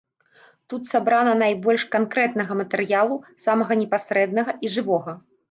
Тут сабрана найбольш канкрэтнага матэрыялу, самага непасрэднага і жывога.